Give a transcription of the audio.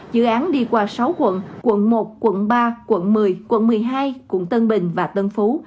dự án đi qua sáu quận quận một quận ba quận một mươi quận một mươi hai quận tân bình và tân phú